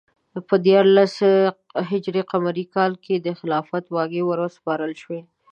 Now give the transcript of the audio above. په دیارلس ه ق کال کې د خلافت واګې وروسپارل شوې.